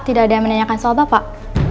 tidak ada yang menanyakan soal bapak